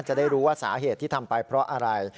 จะได้รู้ว่าสาเหตุที่ทำไปเพราะอะไร